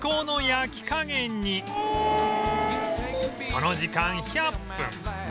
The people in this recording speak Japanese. その時間１００分